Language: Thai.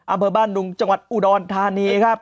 อำเภอบ้านดุงจังหวัดอุดรธานีครับ